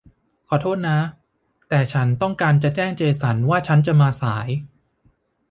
ขอโทษนะ แต่ฉันต้องการแจ้งเจสันว่าฉันจะมาสาย